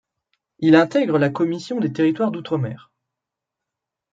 Il intègre la commission des territoires d'Outre-mer.